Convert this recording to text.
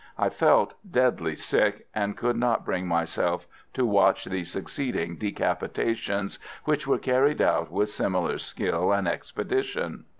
I felt deadly sick, and could not bring myself to watch the succeeding decapitations, which were carried out with similar skill and expedition.